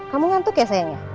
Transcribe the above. kamu ngantuk ya sayangnya